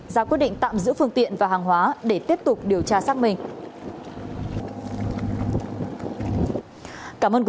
ra quyết định tạm giữ phương tiện và hàng hóa để tiếp tục điều tra xác minh